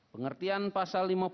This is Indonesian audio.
pengertian pasal lima puluh